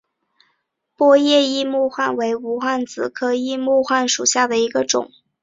波叶异木患为无患子科异木患属下的一个种。